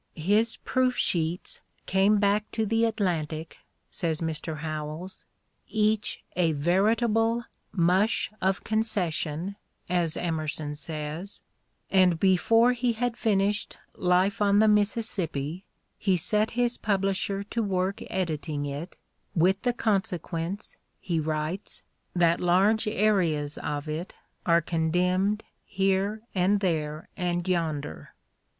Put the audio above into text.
"His proof sheets came back to The Atlantic," says Mr. Howells, "each a veritable 'mush of concession,' as Emerson says": and before he had finished "Life on the Mississippi" he set his pub lisher to work editing it, with the consequence, he writes, that "large areas of it are condemned here and there and yonder."